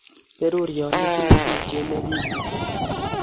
Berur ya itinye tupche ne lekitun